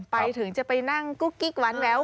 ไปถึงจะไปนั่งกุ๊กกิ๊กหวานแวว